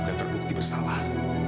dan terdukti bersalah